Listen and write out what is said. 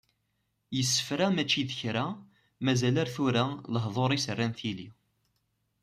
Yessefra mačči d kra, mazal ar tura, lehdur-is rran tili.